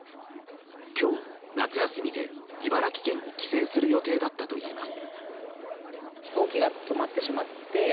今日、夏休みで茨城県に帰省する予定だったといいます。